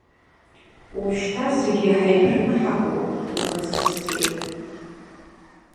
Ожәшьҭа зегьы ҳаиқәшәаны ҳаҟоуп, ухаҵкы сцеит.